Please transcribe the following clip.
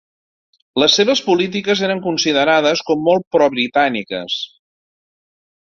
Les seves polítiques eren considerades com molt pro-britàniques.